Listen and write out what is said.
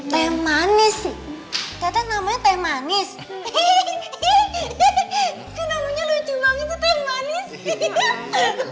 teh manis namanya teh manis